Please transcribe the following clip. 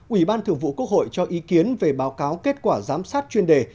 ủy ban thường vụ quốc hội cho ý kiến về báo cáo kết quả giám sát chuyên đề